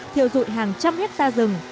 thiều rụi hàng trăm hết ta rừng